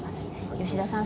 吉田さん